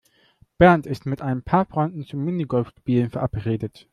Bernd ist mit ein paar Freunden zum Minigolfspielen verabredet.